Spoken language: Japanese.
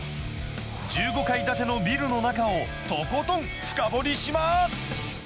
１５階建てのビルの中をとことん深掘りします。